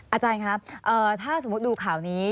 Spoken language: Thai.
อาจารย์ครับถ้าสมมุติดูข่าวนี้